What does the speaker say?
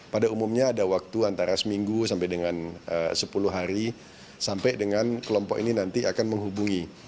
pada umumnya ada waktu antara seminggu sampai dengan sepuluh hari sampai dengan kelompok ini nanti akan menghubungi